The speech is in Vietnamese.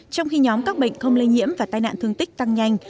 trong khi nhóm các bệnh không lây nhiễm và tai nạn thương tích tăng nhanh